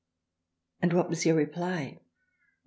and what was your reply ?